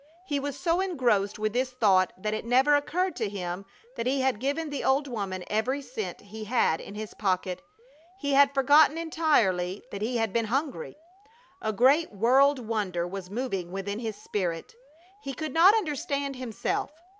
He was so engrossed with this thought that it never occurred to him that he had given the old woman every cent he had in his pocket. He had forgotten entirely that he had been hungry. A great world wonder was moving within his spirit. He could not understand himself.